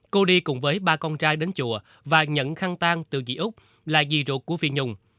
cô đi cùng với ba con trai đến chùa và nhận khăn tan từ dì úc là dì ruột của phi nhung